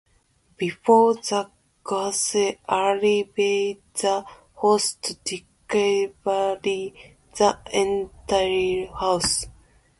"Before the guests arrive, the host decorated the entire house."